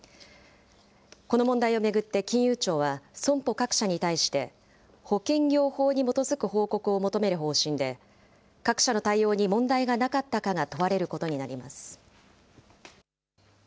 この問題を巡って金融庁は損保各社に対して、保険業法に基づく報告を求める方針で、各社の対応に問題がなかったかが問われることになります。